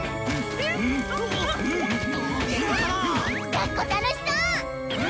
だっこ楽しそう！